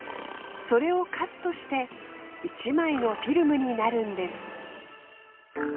それをカットして１枚のフィルムになるんです。